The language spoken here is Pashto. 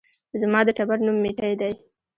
زما د ټبر نوم ميټى دى